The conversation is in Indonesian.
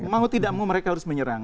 mau tidak mau mereka harus menyerang